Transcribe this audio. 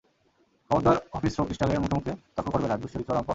খবরদার অফিস্র ক্রিস্টালের মুখে মুখে তর্ক করবে না, দুশ্চরিত্র লম্পট!